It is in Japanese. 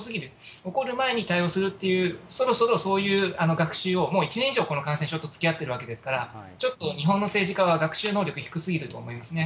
起こる前に対応するという、そろそろそういう学習を、もう１年以上、このかんせんしょうとつきあってるわけですからちょっと、日本の政治家は学習能力低すぎると思いますね。